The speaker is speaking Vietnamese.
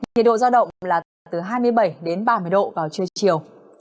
nhiệt độ giao động là cả từ hai mươi bảy đến ba mươi độ vào trưa chiều